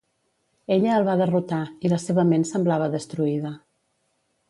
Ella el va derrotar, i la seva ment semblava destruïda.